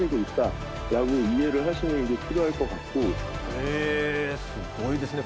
へぇすごいですね。